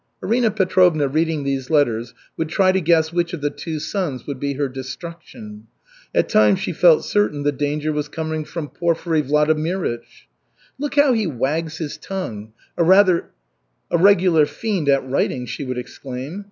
Arina Petrovna reading these letters would try to guess which of the two sons would be her destruction. At times she felt certain the danger was coming from Porfiry Vladimirych. "Look how he wags his tongue, a regular fiend at writing!" she would exclaim.